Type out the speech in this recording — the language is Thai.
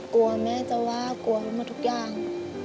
กลัวแม่จะว่ากลัวเขาหมดทุกอย่าง